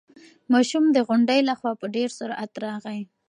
ماشوم د غونډۍ له خوا په ډېر سرعت راغی.